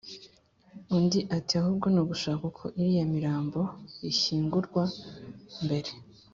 undi ati"ahubwo nugushaka uko iriya mirambo ishyingurwa mbere